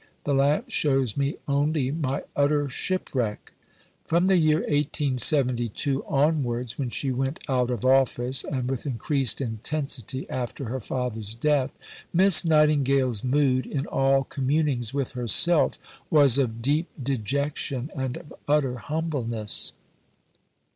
The lamp shows me only my utter shipwreck." From the year 1872 onwards, when she went "out of office," and with increased intensity after her father's death, Miss Nightingale's mood, in all communings with herself, was of deep dejection and of utter humbleness.